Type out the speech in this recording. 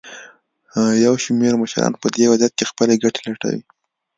یو شمېر مشران په دې وضعیت کې خپلې ګټې لټوي.